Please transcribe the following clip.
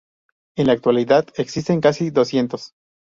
En la actualidad existen casi doscientos.